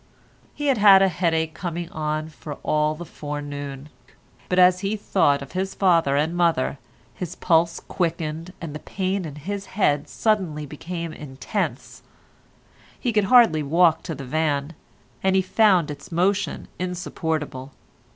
He had had a headache coming on all the forenoon, but as he thought of his father and mother, his pulse quickened, and the pain in his head suddenly became intense. He could hardly walk to the van, and he found its motion insupportable.